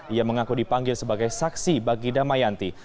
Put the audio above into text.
ia mengaku dipanggil sebagai saksi bagi damayanti